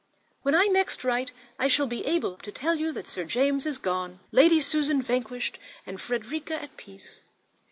When I next write I shall be able to tell you that Sir James is gone, Lady Susan vanquished, and Frederica at peace.